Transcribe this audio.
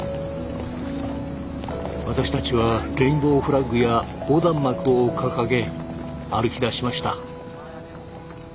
私たちはレインボーフラッグや横断幕を掲げ歩きだしました。